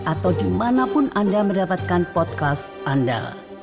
atau dimanapun anda mendapatkan podcast anda